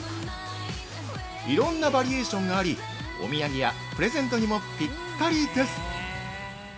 いろんなバリエーションがあり、お土産やプレゼントにもピッタリです。